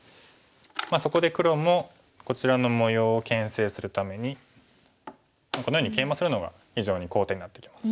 そこで黒もこちらの模様をけん制するためにこのようにケイマするのが非常に好点になってきます。